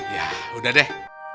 ya udah deh